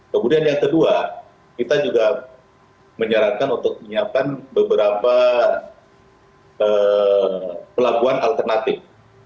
kemudian yang kedua kita juga menyarankan untuk menyiapkan beberapa pelabuhan alternatif